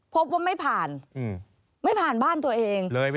พบว่าไม่ผ่านไม่ผ่านบ้านตัวเอง